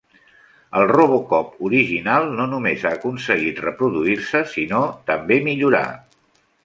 El RoboCop original no només ha aconseguit reproduir-se, sinó també millorar.